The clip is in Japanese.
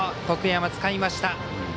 得山、つかみました。